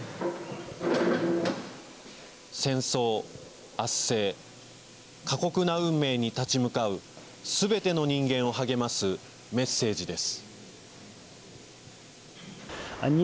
戦争、圧政、過酷な運命に立ち向かうすべての人間を励ますメッセージです。